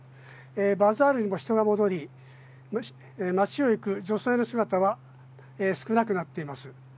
バザールにも人が戻り、街を行く女性の姿は少なくなっています。